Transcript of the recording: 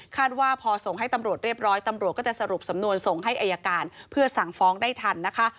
ว่าพอส่งให้ตำรวจเรียบร้อยตำรวจก็จะสรุปสำนวนส่งให้อายการเพื่อสั่งฟ้องได้ทันนะคะ